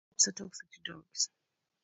Hops are toxic to dogs.